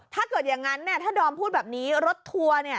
ถ้าเกิดอย่างนั้นถ้าดอมพูดแบบนี้รถทัวร์